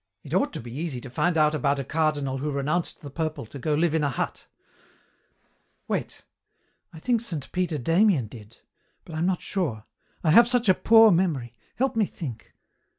It ought to be easy to find out about a cardinal who renounced the purple to go live in a hut. Wait. I think Saint Peter Damian did, but I am not sure. I have such a poor memory. Help me think."